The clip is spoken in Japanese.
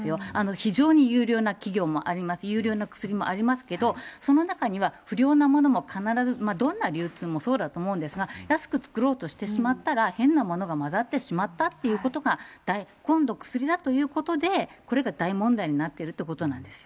非常に優良な企業もあります、優良な薬もありますけれども、その中には、不良なものも必ず、どんな流通もそうだと思うんですが、安く作ろうとしてしまったら、変なものが混ざってしまったということが、今度、薬だということで、これが大問題になってるということなんですよ。